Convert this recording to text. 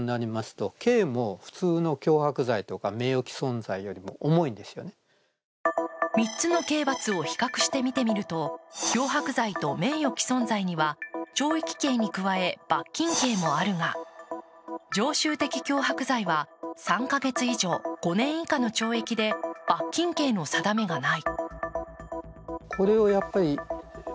中でも元検事の若狭氏が注目したのは３つの刑罰を比較してみると脅迫罪と名誉毀損罪には懲役刑に加え罰金刑もあるが常習的脅迫罪は３か月以上５年以下の懲役で罰金刑の定めがない。